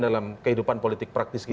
dalam kehidupan politik praktis kita